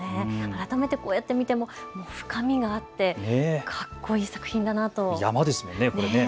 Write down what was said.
改めてこうやってみても深みがあってかっこいい作品だなと。